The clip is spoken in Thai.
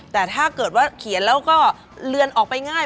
แต่ถ้าเกิดว่าเขียนแล้วก็เลือนออกไปง่าย